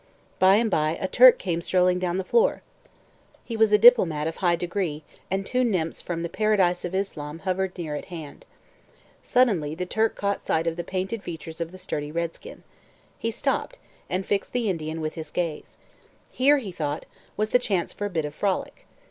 By and by a Turk came strolling down the floor; he was a diplomat of high degree, and two nymphs from the paradise of Islam hovered near at hand. Suddenly the Turk caught sight of the painted features of the sturdy redskin. He stopped, and fixed the Indian with his gaze. Here, he thought, was the chance for a bit of frolic.